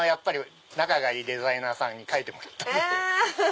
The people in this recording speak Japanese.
仲がいいデザイナーさんに描いてもらった。